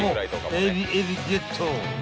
エビエビゲット］